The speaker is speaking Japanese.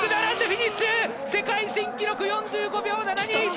世界新記録４５秒７２！